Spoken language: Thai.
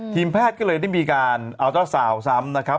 ทีมแพทย์ก็เลยได้มีการเอาเจ้าสาวซ้ำนะครับ